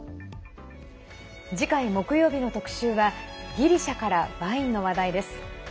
次回、木曜日の特集はギリシャからワインの話題です。